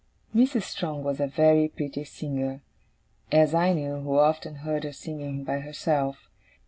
Mrs. Strong was a very pretty singer: as I knew, who often heard her singing by herself.